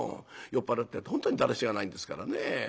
酔っ払ってると本当にだらしがないんですからね。